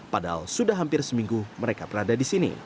padahal sudah hampir seminggu mereka berada di sini